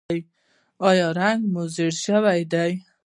ایا رنګ مو ژیړ شوی دی؟